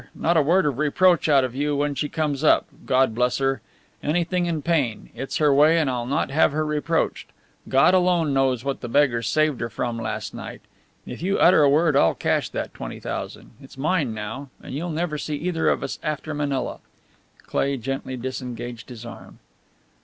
Not a word of reproach out of you when she comes up God bless her! Anything in pain! It's her way, and I'll not have her reproached. God alone knows what the beggar saved her from last night! If you utter a word I'll cash that twenty thousand it's mine now and you'll never see either of us after Manila!" Cleigh gently disengaged his arm.